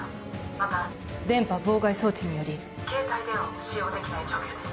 また電波妨害装置により携帯電話も使用できない状況です。